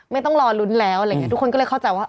ไม่ต้องลอลุ้นแล้วตุ๊กลก็เลยเข้าใจว่า